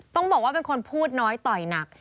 ต้องบอกว่าเป็นคนพูดน้อยต่อยหนัก